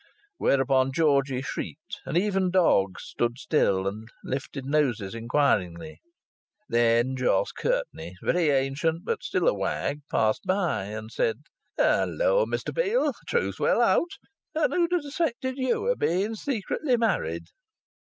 Whereupon Georgie shrieked, and even dogs stood still and lifted noses inquiringly. Then Jos Curtenty, very ancient but still a wag, passed by, and said: "Hello, Mr Peel. Truth will out. And yet who'd ha' suspected you o' being secretly married!"